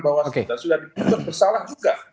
bawaslu sudah dibuat bersalah juga